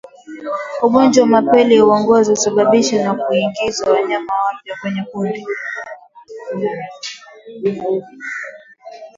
Ugonjwa wa mapele ya ngozi husababishwa na kuingiza wanyama wapya kwenye kundi